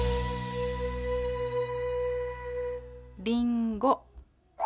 りんご。